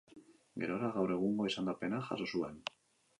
Gerora gaur egungo izendapena jaso zuen.